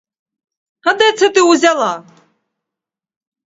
Де це ти й узяла?